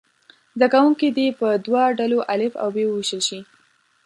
زده کوونکي دې په دوه ډلو الف او ب وویشل شي.